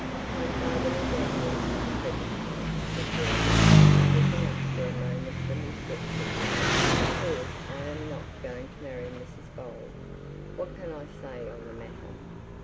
'My father is angry at the present time,' said Bertie, looking up for a moment from his sketches, 'because I am not going to marry Mrs Bold. What can I say on the matter?